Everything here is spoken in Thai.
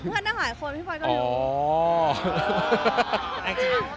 เราก็ลงกับเพื่อนน่าหายคนพี่ปอยก็เรียก